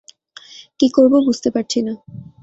কী করব বুঝতে পারছি না।